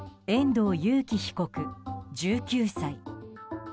遠藤裕喜被告、１９歳。